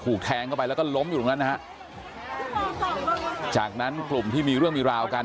แทงเข้าไปแล้วก็ล้มอยู่ตรงนั้นนะฮะจากนั้นกลุ่มที่มีเรื่องมีราวกัน